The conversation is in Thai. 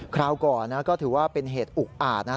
คราวก่อนก็ถือว่าเป็นเหตุอุกอาจนะ